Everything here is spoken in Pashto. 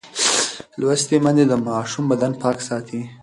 لوستې میندې د ماشوم بدن پاک ساتي.